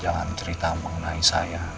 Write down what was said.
jangan cerita mengenai saya